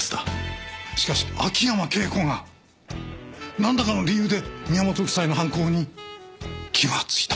しかし秋山圭子がなんらかの理由で宮本夫妻の犯行に気がついた。